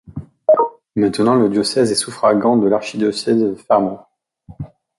Maintenant le diocèse est suffragant de l'archidiocèse de Fermo.